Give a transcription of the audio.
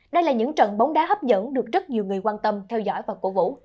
đây là những trận bóng đá hấp dẫn được rất nhiều người quan tâm theo dõi và cổ vũ